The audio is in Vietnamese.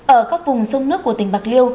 ở các vùng sông nước của tỉnh bạc liêu